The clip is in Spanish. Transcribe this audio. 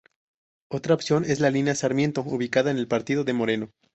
Otra opción es la Línea Sarmiento ubicada en el Partido de Moreno.